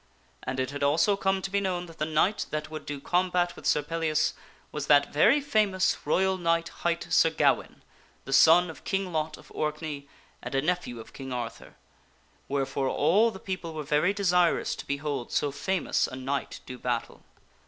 And it had also come to be known that the knight that would do combat with Sir Pellias was that very famous royal knight hight Sir Gawaine, the son of King Lot of Orkney, and a nephew of King Arthur; wherefore all the people were very desirous to behold so famous a knight do battle.